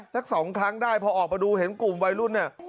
สักสองครั้งได้พอออกมาดูเห็นกลุ่มวัยรุ่นเนี่ย